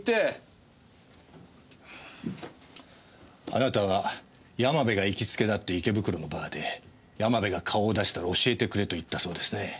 あなたは山部が行きつけだった池袋のバーで山部が顔を出したら教えてくれと言ったそうですね。